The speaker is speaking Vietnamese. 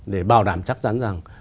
để bảo đảm chắc chắn rằng